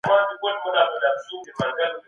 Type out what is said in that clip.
زموږ په کلي کي خلګ کتاب لولي.